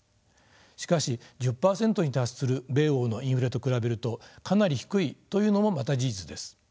しかし１０％に達する米欧のインフレと比べるとかなり低いというのもまた事実です。